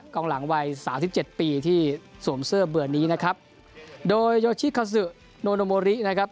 หลังวัยสามสิบเจ็ดปีที่สวมเสื้อเบื่อนี้นะครับโดยโยชิคาซึโนโมรินะครับ